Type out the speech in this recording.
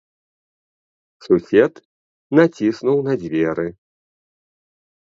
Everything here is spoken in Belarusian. Сусед націснуў на дзверы.